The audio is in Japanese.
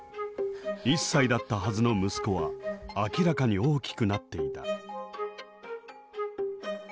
１歳だったはずの息子は明らかに大きくなっていた。